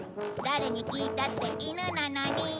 誰に聞いたって犬なのに。